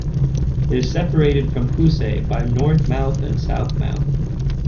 It is separated from Housay by North Mouth and South Mouth.